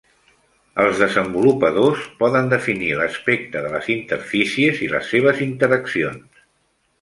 Els desenvolupadors poden definir l'aspecte de les interfícies i les seves interaccions.